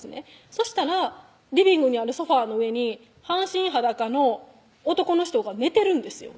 そしたらリビングにあるソファーの上に半身裸の男の人が寝てるんですよ